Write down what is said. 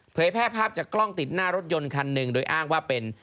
แพร่ภาพจากกล้องติดหน้ารถยนต์คันหนึ่งโดยอ้างว่าเป็น